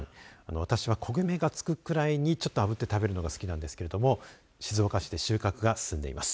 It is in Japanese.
私は焦げ目がつくぐらいにあぶって食べるのが好きですが静岡市で収穫が進んでいます。